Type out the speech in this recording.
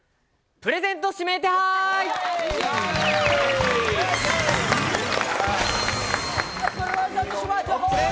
プレゼント指名手配！